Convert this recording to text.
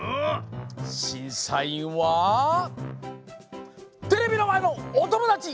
しんさいんはテレビのまえのおともだち！